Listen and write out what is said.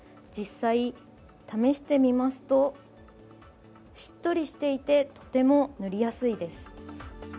実際試してみますと、しっとりしていてとても塗りやすいです。